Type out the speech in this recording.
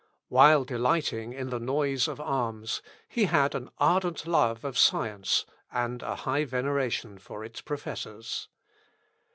While delighting in the noise of arms, he had an ardent love of science, and a high veneration for its professors.